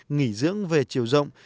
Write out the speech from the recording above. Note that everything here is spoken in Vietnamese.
nghỉ dưỡng về chiều rộng